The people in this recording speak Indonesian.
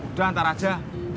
udah ntar aja